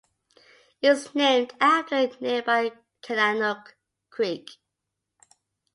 It was named after nearby Kananook Creek.